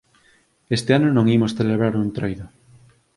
Este ano non imos clebrar o Entroido